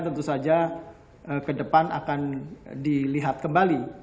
tentu saja ke depan akan dilihat kembali